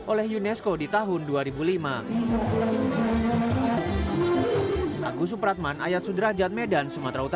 oleh unesco di tahun dua ribu lima